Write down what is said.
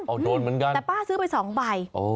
โอ้โหโดนเหมือนกันแต่ป้าซื้อไป๒ใบ